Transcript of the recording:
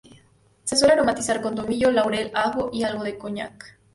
Se suele aromatizar con tomillo, laurel, ajo y algo de coñac.